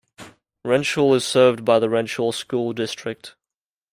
Wrenshall is served by the Wrenshall School District.